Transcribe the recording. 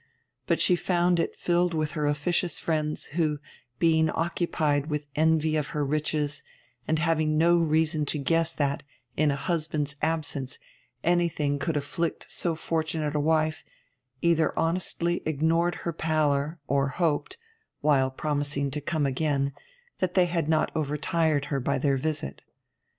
But she found it filled with her officious friends, who, being occupied with envy of her riches and having no reason to guess that, in a husband's absence, anything could afflict so fortunate a wife, either honestly ignored her pallor or hoped (while promising to come again) that they had not overtired her by their visit.